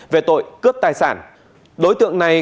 về tội cướp tài sản đối tượng này